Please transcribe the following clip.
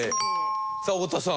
さあ太田さん。